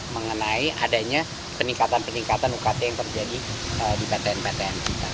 mengenai adanya peningkatan peningkatan ukt yang terjadi di batn batn